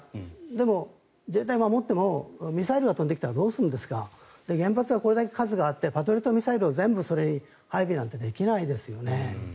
でも、自衛隊が守ってもミサイルが飛んできたらどうするんですか原発はこれだけ数があってパトリオットミサイルを全部配備なんてできないですよね。